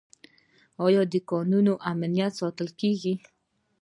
آیا د کانونو امنیت ساتل کیږي؟